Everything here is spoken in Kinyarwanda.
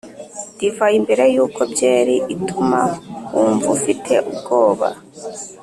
divayi mbere yuko byeri ituma wumva ufite ubwoba!